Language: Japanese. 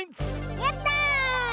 やった！